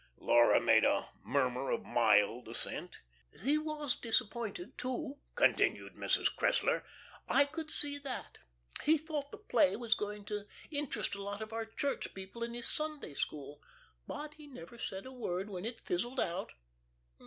Laura made a murmur of mild assent. "He was disappointed, too," continued Mrs. Cressler. "I could see that. He thought the play was going to interest a lot of our church people in his Sunday school. But he never said a word when it fizzled out.